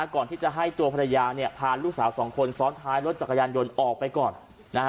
ก่อนที่จะให้ตัวภรรยาพาลูกสาวสองคนซ้อนท้ายรถจักรยานยนต์ออกไปก่อน